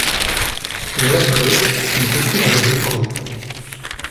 Pour l'apprêt, il recourt à la détrempe.